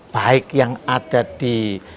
baik yang ada di